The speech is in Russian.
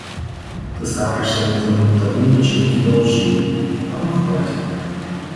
Ты стараешься не забыть того, чему тебя учили, а там - хвать!